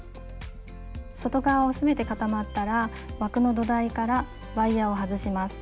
外側全て固まったら枠の土台からワイヤーを外します。